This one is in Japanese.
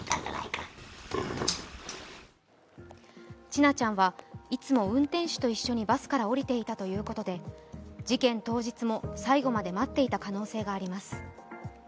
千奈ちゃんはいつも運転手と一緒にバスから降りていたということで事件当日も最後まで待っていた可能性があります。